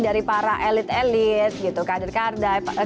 dari para elit elit gitu kader kader